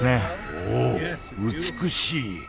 おお美しい！